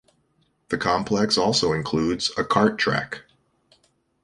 The complex also includes a kart track.